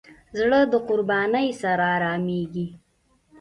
زړه د قربانۍ سره آرامېږي.